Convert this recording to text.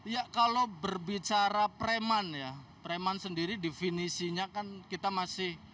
ya kalau berbicara preman ya preman sendiri definisinya kan kita masih